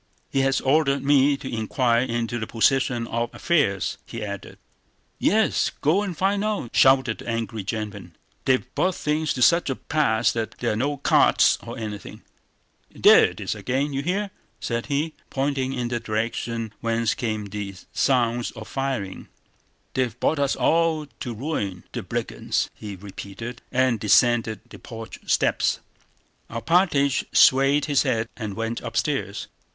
"He has ordered me to inquire into the position of affairs," he added. "Yes, go and find out!" shouted the angry gentleman. "They've brought things to such a pass that there are no carts or anything!... There it is again, do you hear?" said he, pointing in the direction whence came the sounds of firing. "They've brought us all to ruin... the brigands!" he repeated, and descended the porch steps. Alpátych swayed his head and went upstairs.